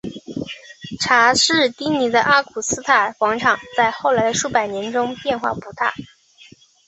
查士丁尼的奥古斯塔广场在后来的数百年中变化不大。